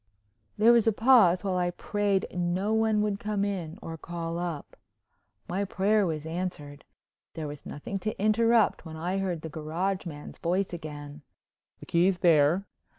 There was a pause while I prayed no one would come in or call up. My prayer was answered. There was nothing to interrupt when I heard the garage man's voice again: "The key's there."